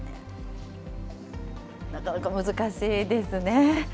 なかなか難しいですね。